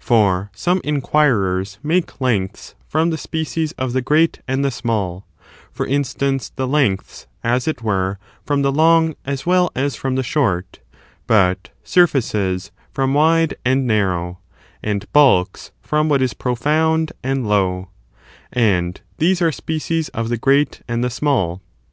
For Bomc inquirers make lengths "• from the species of the great and the small — ^for instance, the lengths, as it were, from the long as well as from the short — ^but surSetces from wide and narrow, and bulks from what is profound and low ; and these are species of the great and the small.